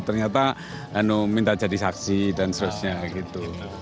ternyata minta jadi saksi dan seterusnya gitu